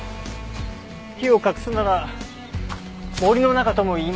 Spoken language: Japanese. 木を隠すなら森の中とも言いますから。